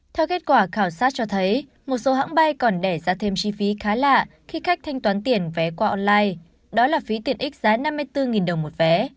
theo kết quả khảo sát cho thấy một số hãng bay còn đẻ ra thêm chi phí khá lạ khi khách thanh toán tiền vé qua online đó là phí tiện ích giá năm mươi bốn đồng một vé